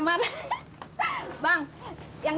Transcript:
masih rahat dulu ya